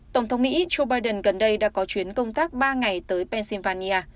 tổng thống mỹ joe biden gần đây đã có chuyến công tác ba ngày tới pennsylvania